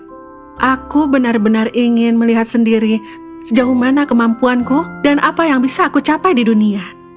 tapi aku benar benar ingin melihat sendiri sejauh mana kemampuanku dan apa yang bisa aku capai di dunia